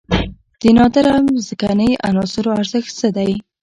د نادره ځمکنۍ عناصرو ارزښت څه دی؟